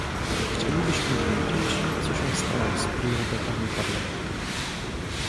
Chcielibyśmy wiedzieć, co się stało z priorytetami Parlamentu